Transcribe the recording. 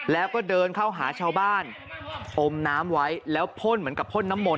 แล้วก็เดินเข้าหาชาวบ้านอมน้ำไว้แล้วพ่นเหมือนกับพ่นน้ำมนต